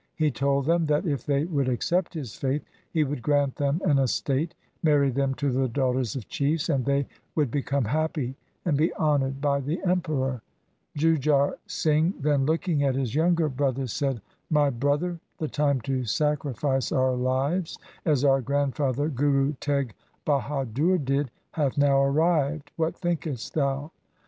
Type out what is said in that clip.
He told them that, if they would accept his faith, he would grant them an estate, marry them to the daughters of chiefs, and they would become happy and be honoured by the Emperor. Jujhar Singh then looking at his younger brother said, ' My brother, the time to sacrifice our lives, as our grandfather Guru Teg Bahadur did, hath now arrived. What thinkest thou